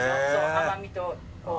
甘みと。